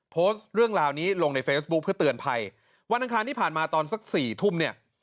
โพสต์เรื่องราวนี้ลงในเฟซบุ๊คเพื่อเตือนภัยวันอังคารที่ผ่านมาตอนสักสี่ทุ่มเนี่ย